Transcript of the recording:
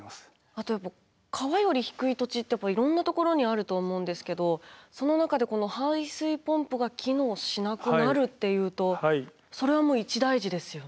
あとやっぱ川より低い土地っていろんなところにあると思うんですけどその中でこの排水ポンプが機能しなくなるっていうとそれはもう一大事ですよね。